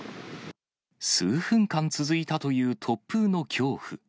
数分間続いたという突風の恐怖。